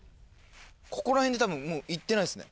ここら辺でたぶんもういってないですね。